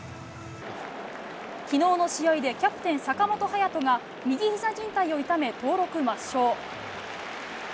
きのうの試合でキャプテン、坂本勇人が右ひざじん帯を痛め、登録抹消。